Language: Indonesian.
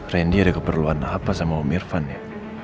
randy ada keperluan apa sama om irfan ya